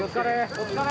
お疲れ！